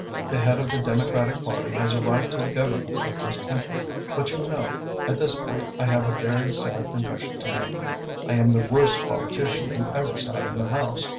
The head of the Democratic Party has a right to the government of this country, but you know, at this point I have a very sad confession to make. I am the worst politician who ever sat in the House.